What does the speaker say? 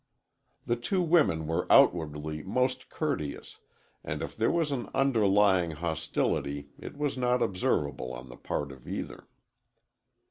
The two women were outwardly most courteous, and if there was an underlying hostility it was not observable on the part of either.